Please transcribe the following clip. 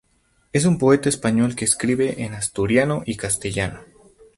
Es un poeta español que escribe en asturiano y castellano.